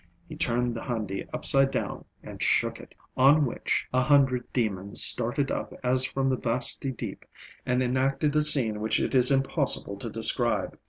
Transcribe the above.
He turned the handi upside down and shook it, on which a hundred demons started up as from the vasty deep and enacted a scene which it is impossible to describe.